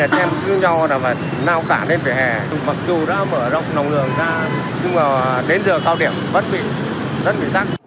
xe máy không còn nối đi xe máy không còn nối đi xe máy không còn nối đi xe máy không còn nối đi